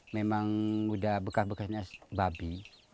memang udah bekas bekasnya babi